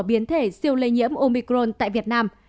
biến thể siêu lây nhiễm omicron tại việt nam